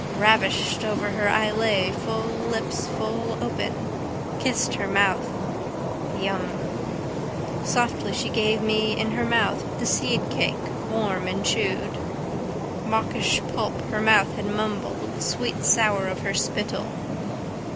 Ravished over her I lay, full lips full open, kissed her mouth. Yum. Softly she gave me in my mouth the seedcake warm and chewed. Mawkish pulp her mouth had mumbled sweetsour of her spittle.